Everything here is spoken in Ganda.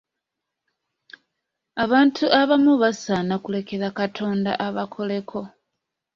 Abantu abamu basaana kulekera Katonda abakoleko.